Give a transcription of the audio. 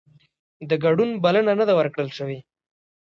د ګډون بلنه نه ده ورکړل شوې